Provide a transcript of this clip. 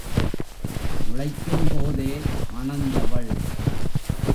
முளைக்கும் போதே மணந்தவள்.